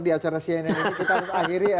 di acara cnn ini kita harus akhiri